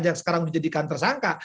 yang sekarang dijadikan tersangka